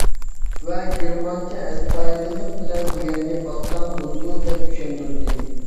ۋە گېرمانچە ئەستايىدىللىق بىلەن بۇ يەرنى باسساڭ بولىدۇ دەپ چۈشەندۈردى.